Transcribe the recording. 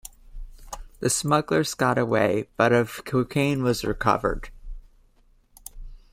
The smugglers got away, but of cocaine was recovered.